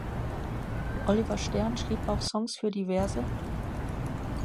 Oliver Stern schrieb auch Songs für div.